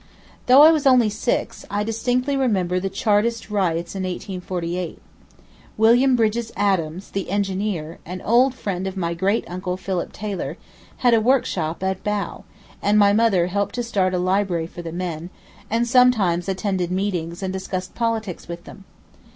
Though I was only six I distinctly remember the Chartist riots in 1848. William Bridges Adams, the engineer, an old friend of my great uncle, Philip Taylor, had a workshop at Bow, and my mother helped to start a library for the men, and sometimes attended meetings and discussed politics with them.